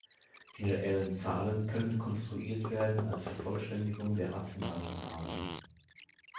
Die reellen Zahlen können konstruiert werden als Vervollständigung der rationalen Zahlen.